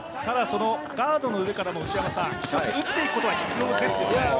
そのガードの上からも１つ打っていくことは必要ですよね。